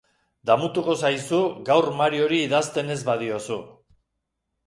Damutuko zaizu gaur Mariori idazten ez badiozu.